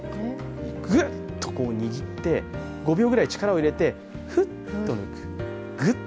グッと握って、５秒ぐらい力を入れてふっと抜く。